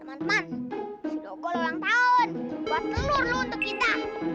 teman teman si dogol ulang tahun buat telur lu untuk kita